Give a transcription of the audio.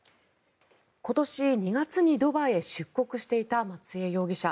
今年２月にドバイへ出国していた松江容疑者。